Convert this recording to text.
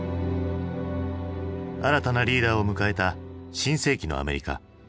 新たなリーダーを迎えた新世紀のアメリカ。